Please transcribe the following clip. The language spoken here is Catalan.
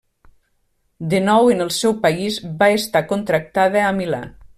De nou en el seu país, va estar contractada a Milà.